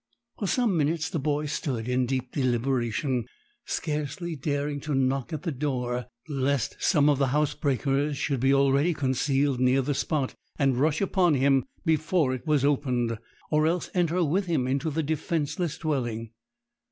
For some minutes the boy stood in deep deliberation, scarcely daring to knock at the door, lest some of the housebreakers should be already concealed near the spot, and rush upon him before it was opened, or else enter with him into the defenceless dwelling.